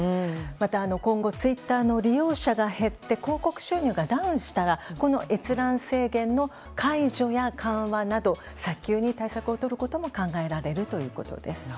また今後ツイッターの利用者が減って、広告収入がダウンしたら閲覧制限の解除や緩和など早急に対策をとることも考えられるということです。